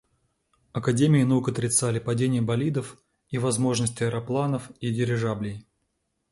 Академии наук отрицали падение болидов и возможность аэропланов и дирижаблей.